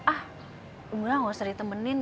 ah enggak harus ditemenin